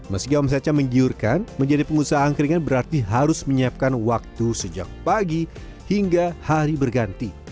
meski omsetnya menggiurkan menjadi pengusaha angkringan berarti harus menyiapkan waktu sejak pagi hingga hari berganti